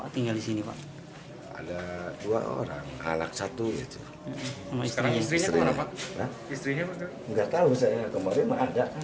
tidak tahu saya kemarin memang ada